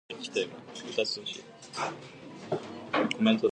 If the diacritics do not affect pronunciation, they are removed.